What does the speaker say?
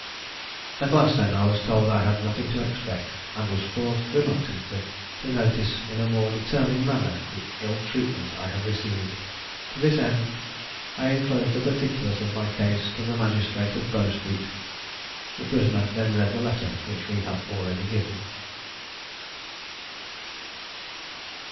"At last, then, I was told I had nothing to expect, and was forced reluctantly to notice in a more determined manner the ill treatment I had received. To this end I enclosed the particulars of my case to the magistrates of Bow Street. (The prisoner then read the letter which we have already given.)